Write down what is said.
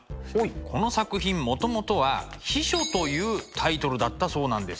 この作品もともとは「避暑」というタイトルだったそうなんです。